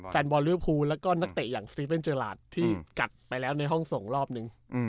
แฟนบอลลิวภูแล้วก็นักเตะอย่างสติเป็นเจอหลาดที่กัดไปแล้วในห้องส่งรอบนึง